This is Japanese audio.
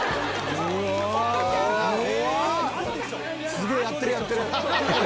すげぇやってるやってる。